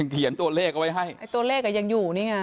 เขียนตัวเลขเอาไว้ให้ไอ้ตัวเลขอ่ะยังอยู่นี่ไง